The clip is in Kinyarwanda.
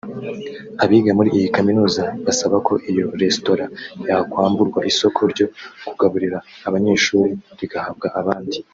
Abiga muri iyi kaminuza basaba ko iyo resitora yakwamburwa isoko ryo kugaburira abanyeshuri rigahabwa abandi